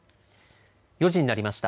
４時になりました。